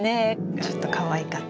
ちょっとかわいかった。